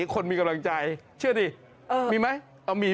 บางคนมีกำลังใจเชื่อดิมีไหมเอ้ามี